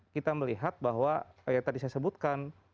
kita melihat bahwa yang tadi saya sebutkan